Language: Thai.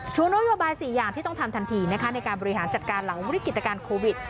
นโยบาย๔อย่างที่ต้องทำทันทีนะคะในการบริหารจัดการหลังวิกฤตการณ์โควิด